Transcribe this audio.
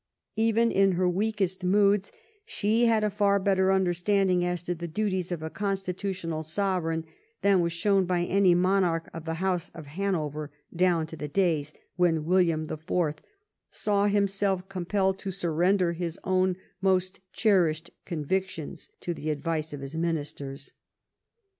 Even in her weakest moods she had a far better understanding 315 THE REIGN OF QUEEN ANNE as to the duties of a constitutional sovereign than was shown by any monarch of the house of Hanover down to the days when William the Fourth saw himself compelled to surrender his own most cherished con victions to the advice of his ministers.